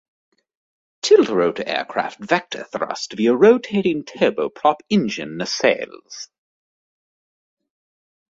Tiltrotor aircraft vector thrust via rotating turboprop engine nacelles.